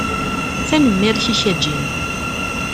Tanemmirt-ik a Jim.